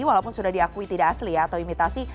walaupun sudah diakui tidak asli ya atau imitasi